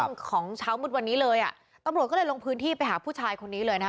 ของเช้ามืดวันนี้เลยอ่ะตำรวจก็เลยลงพื้นที่ไปหาผู้ชายคนนี้เลยนะคะ